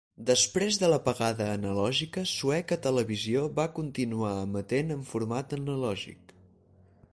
Després de l'apagada analògica, Sueca Televisió va continuar emetent en format analògic.